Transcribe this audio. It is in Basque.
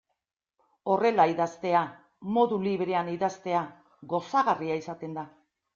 Horrela idaztea, modu librean idaztea, gozagarria izaten da.